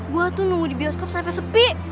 gua tuh nunggu di bioskop sampe sepi